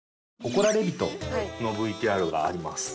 怒られびとのＶＴＲがあります。